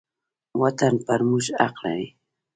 وطن پر موږ حق لري.